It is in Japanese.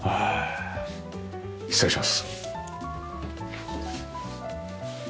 失礼します。